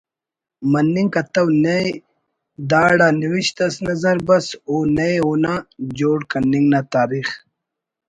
مننگ کتو نئے داڑا نوشت اس نظر بس او نئے اونا جوڑ کننگ نا تاریخ